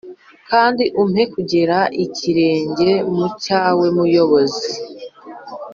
Kandi umpe kugera ikirenge nmucyawe muyobozi